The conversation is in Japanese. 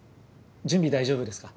準備大丈夫ですか？